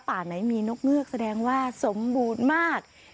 ไหนมีนกเงือกแสดงว่าสมบูรณ์มาก